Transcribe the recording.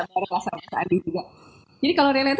pada masa masa tadi juga jadi kalau ria lihat